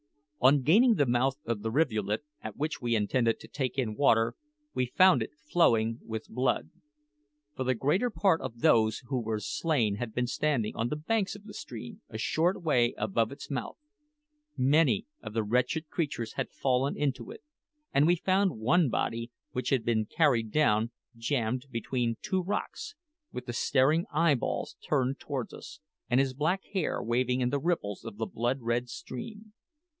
On gaining the mouth of the rivulet at which we intended to take in water, we found it flowing with blood; for the greater part of those who were slain had been standing on the banks of the stream, a short way above its mouth. Many of the wretched creatures had fallen into it; and we found one body, which had been carried down, jammed between two rocks, with the staring eyeballs turned towards us, and his black hair waving in the ripples of the blood red stream.